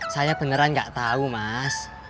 saya beneran gak tahu mas